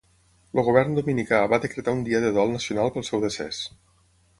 El govern dominicà va decretar un dia de dol nacional pel seu decés.